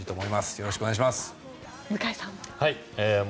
よろしくお願いします。